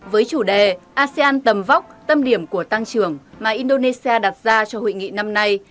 với chủ đề asean tầm vóc tâm điểm của tăng trưởng mà indonesia đặt ra cho hội nghị năm nay